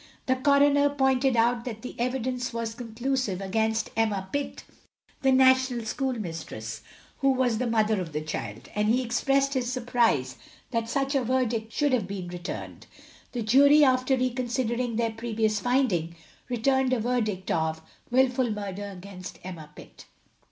The Coroner pointed out that the evidence was conclusive against Emma Pitt, the national school mistress, who was the mother of the child; and he expressed his surprise that such a verdict should have been returned. The Jury after reconsidering their previous finding, returned a verdict of "Wilful murder against Emma Pitt."